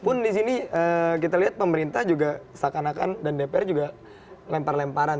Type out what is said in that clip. pun di sini kita lihat pemerintah juga seakan akan dan dpr juga lempar lemparan